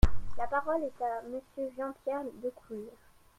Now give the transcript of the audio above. La parole est à Monsieur Jean-Pierre Decool.